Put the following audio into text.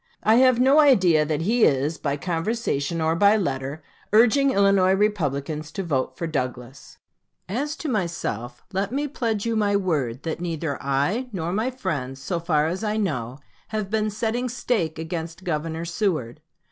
I have no idea that he is, by conversation or by letter, urging Illinois Republicans to vote for Douglas." Lincoln to Wilson, June 1, 1858. MS. "As to myself, let me pledge you my word that neither I nor my friends, so far as I know, have been setting stake against Governor Seward.